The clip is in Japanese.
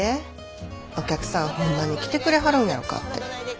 お客さんホンマに来てくれはるんやろかって。